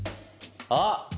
あっ！